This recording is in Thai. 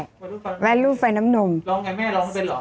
ใช่วัยรุ่นฝันน้ำนมร้องไงแม่ร้องไหมเป็นหรอ